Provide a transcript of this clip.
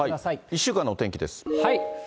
１週間のお天気です。